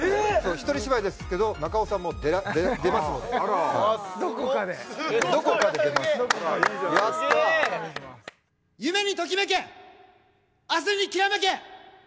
一人芝居ですけど中尾さんも出ますのでどこかでどこかで出ますやった夢にときめけ明日にきらめけ！